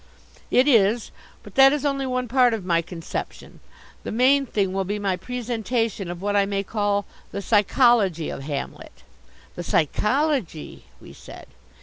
"It is. But that is only one part of my conception. The main thing will be my presentation of what I may call the psychology of Hamlet." "The psychology!" we said.